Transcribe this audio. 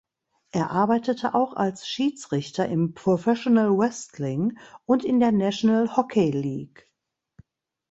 Er arbeitete auch als Schiedsrichter im Professional wrestling und in der National Hockey League.